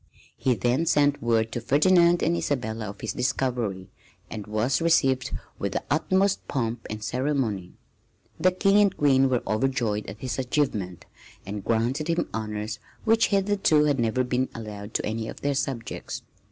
He then sent word to Ferdinand and Isabella of his discovery, and was received with the utmost pomp and ceremony. The King and Queen were overjoyed at his achievement and granted him honors which hitherto had never been allowed to any of their subjects.